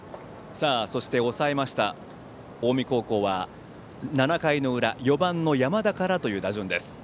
そして抑えました近江高校は７回の裏４番の山田からという打順です。